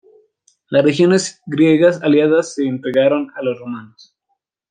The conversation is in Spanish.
Las regiones griegas aliadas se entregaron a los romanos.